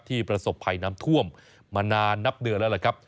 ประสบภัยน้ำท่วมมานานนับเดือนแล้วล่ะครับ